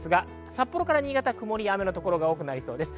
札幌から新潟は曇りや雨の所が多くなりそうです。